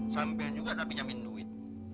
sampean juga tak pinjamin duit